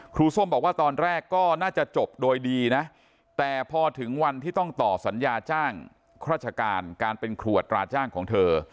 ส้มบอกว่าตอนแรกก็น่าจะจบโดยดีนะแต่พอถึงวันที่ต้องต่อสัญญาจ้างราชการการเป็นขวดตราจ้างของเธอ